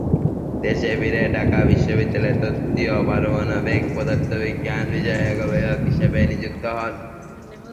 দেশে ফিরে ঢাকা বিশ্ববিদ্যালয়ের তত্ত্বীয় পারমাণবিক পদার্থবিজ্ঞান বিষয়ে গবেষক হিসেবে নিযুক্ত হন।